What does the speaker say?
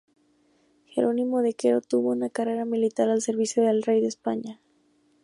Jerónimo de Quero tuvo una carrera militar al servicio del rey de España.